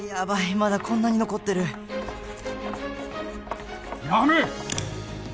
まだこんなに残ってるやめ！